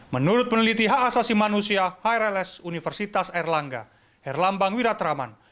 menurut peneliti hak asasi manusia hrls universitas erlangga herlambang wiratraman